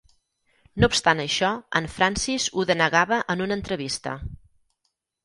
No obstant això, en Francis ho denegava en una entrevista.